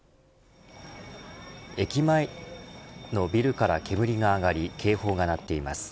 駅前のビルから煙が上がり警報が鳴っています。